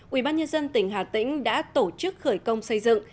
ubnd tỉnh hà tĩnh đã tổ chức khởi công xây dựng